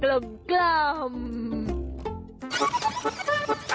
ครึ่งพ่อครึ่งแม่